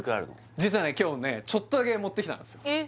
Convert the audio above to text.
実はね今日ねちょっとだけ持ってきたんです